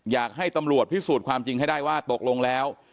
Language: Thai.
อยากให้ตำรวจพิสูจน์ความจริงให้ได้ว่าตกลงแล้ว